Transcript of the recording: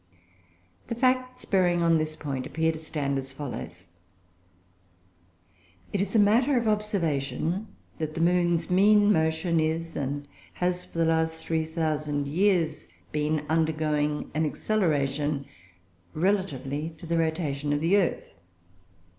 The facts bearing on this point appear to stand as follows: It is a matter of observation that the moon's mean motion is (and has for the last 3,000 years been) undergoing an acceleration, relatively to the rotation of the earth.